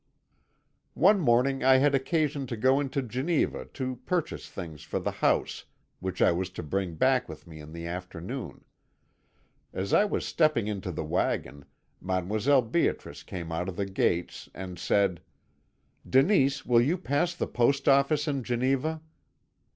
"One morning I had occasion to go into Geneva to purchase things for the house, which I was to bring back with me in the afternoon. As I was stepping into the waggon, Mdlle. Beatrice came out of the gates and said: "'Denise, will you pass the post office in Geneva?'